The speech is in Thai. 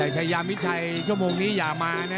ชายามิดชัยชั่วโมงนี้อย่ามานะ